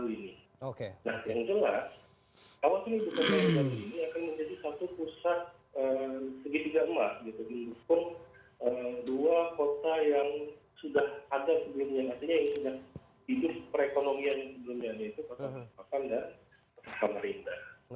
terdudukun dua kota yang sudah ada sebelumnya artinya yang sudah hidup perekonomian sebelumnya yaitu kota pekan pekan dan pekan pekan merindah